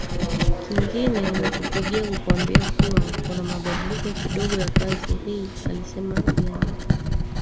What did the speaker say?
Kingine nimekupigia kukuambia kuwa kuna mabadiliko kidogo ya kazi hii alisema bi anita